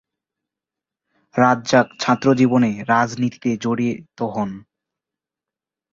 রাজ্জাক ছাত্রজীবনে রাজনীতিতে জড়িত হন।